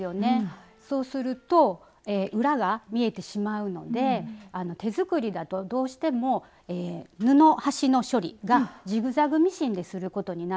そうすると裏が見えてしまうので手作りだとどうしても布端の処理がジグザグミシンですることになるんですね。